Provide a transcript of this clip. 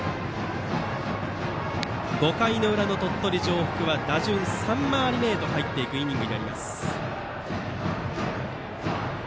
５回の裏の鳥取城北は打順３回り目へと入るイニング。